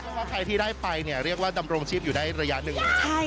เพราะว่าใครที่ได้ไปเนี่ยเรียกว่าดำรงชีพอยู่ได้ระยะหนึ่ง